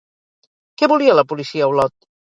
Què volia la policia a Olot?